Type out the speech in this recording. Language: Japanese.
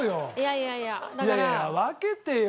いやいや分けてよ